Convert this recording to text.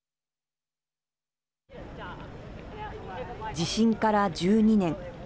地震から１２年。